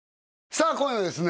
さあ今夜はですね